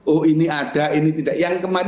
oh ini ada ini tidak yang kemarin